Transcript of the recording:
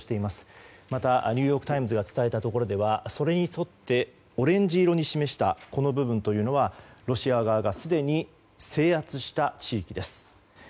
またニューヨーク・タイムズが伝えたところではそれに沿ってオレンジ色に示した部分というのはロシア側がすでに制圧した地域です。